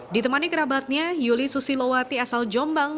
ditemani kerabatnya yuli susilowati asal jombang